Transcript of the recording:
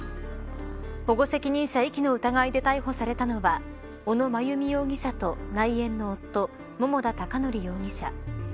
保護責任者遺棄の疑いで逮捕されたのは小野真由美容疑者と内縁の夫、桃田貴徳容疑者。